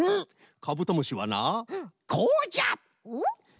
カブトムシはなこうじゃ！